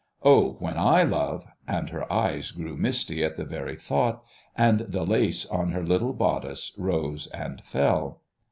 Oh, when I love " and her eyes grew misty at the very thought, and the lace on her little bodice rose and fell.